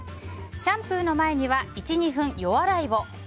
シャンプーの前には１２分予洗いを。